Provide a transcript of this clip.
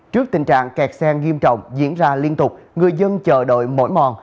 trước tình trạng kẹt xe nghiêm trọng diễn ra liên tục người dân chờ đợi mỗi mòn